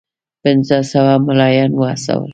پنځه سوه مُلایان وهڅول.